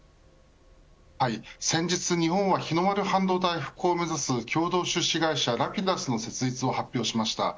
先日日本は日の丸半導体復興を目指す共同出資会社Ｒａｐｉｄｕｓの設立を発表しました。